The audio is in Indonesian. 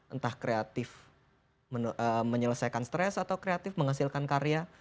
entah kreatif menyelesaikan stres atau kreatif menghasilkan karya